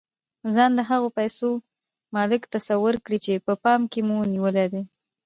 ځان د هغو پيسو مالک تصور کړئ چې په پام کې مو نيولې دي.